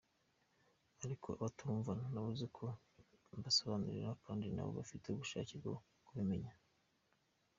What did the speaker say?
Ariko abatumva nabuze uko mbasobanurira kandi na bo bafite ubushake bwo kubimenya.